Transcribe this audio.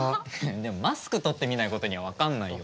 でもマスク取ってみないことには分かんないよ。